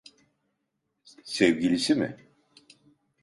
Sevgilisi mi?